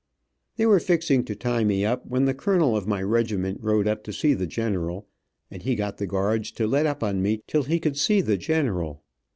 They were fixing to tie me up when the colonel of my regiment rode up to see the general, and he got the guards to let up on me till he could see the general.